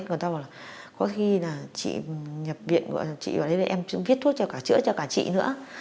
người ta bảo là có khi là chị nhập viện gọi chị vào đây em viết thuốc cho cả chữa cho cả chị nữa